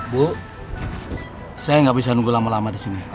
bu saya gak bisa nunggu lama lama disini